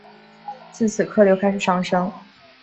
自此客流开始上升。